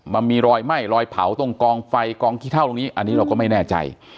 มันมีรอยไหม้รอยเผาตรงกองไฟกองขี้เท่าตรงนี้อันนี้เราก็ไม่แน่ใจ